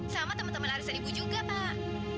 sama teman teman arisan ibu juga pak